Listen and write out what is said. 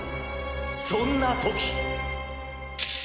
そんな時！